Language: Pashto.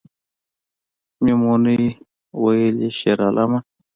میمونۍ ویلې شیرعالمه